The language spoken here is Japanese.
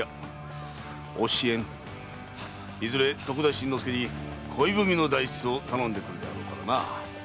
いずれ徳田新之助に恋文の代筆を頼んでくるであろうからな。